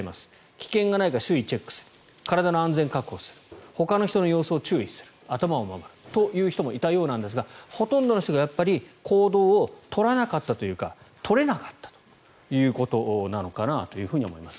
危険がないか周囲をチェックする体の安全を確保するほかの人の様子を注意する頭を守るという人もいたようなんですがほとんどの人が行動を取らなかったというか取れなかったということなのかなと思います。